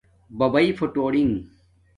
بباݵ فُوٹورنݣ